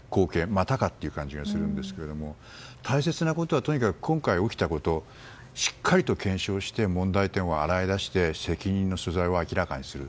またかという感じがするんですが大切なことは今回起きたことをしっかりと検証して問題点を洗い出して責任の所在を明らかにする。